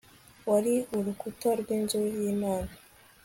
Wari urukuta rwinzu yImana